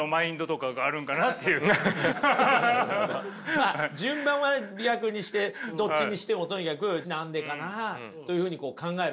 まあ順番は逆にしてどっちにしてもとにかく何でかなというふうに考えるわけですよね。